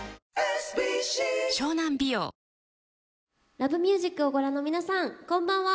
『Ｌｏｖｅｍｕｓｉｃ』をご覧の皆さんこんばんは。